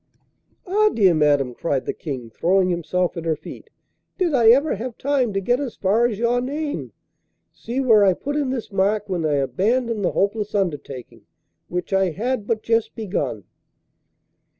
'Ah! dear madam,' cried the King, throwing himself at her feet; 'did I ever have time to get as far as your name? See where I put in this mark when I abandoned the hopeless undertaking which I had but just begun!